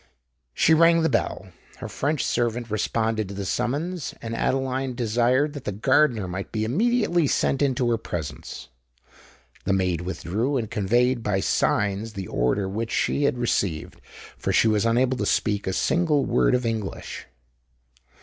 She rang the bell: her French servant responded to the summons; and Adeline desired that the gardener might be immediately sent into her presence. The maid withdrew, and conveyed by signs the order which she had received; for she was unable to speak a single word of English.